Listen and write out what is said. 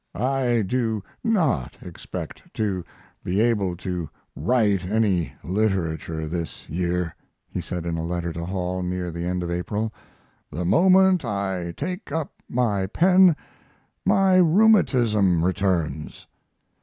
"I do not expect to be able to write any literature this year," he said in a letter to Hall near the end of April. "The moment I take up my pen my rheumatism returns."